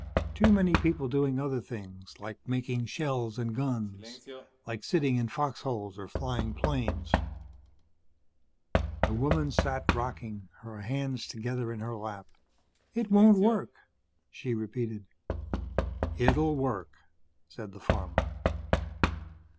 "Too many people doing other things, like making shells and guns, like sitting in fox holes or flying planes." The woman sat rocking, her hands together in her lap. "It won't work," she repeated. "It'll work," said the farmer.